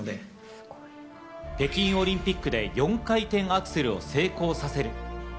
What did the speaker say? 北京オリンピックで４回転アクセルを成功させる。